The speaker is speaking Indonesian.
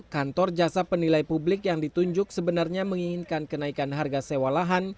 kantor jasa penilai publik yang ditunjuk sebenarnya menginginkan kenaikan harga sewa lahan